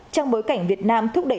trong bối cảnh việt nam thúc đẩy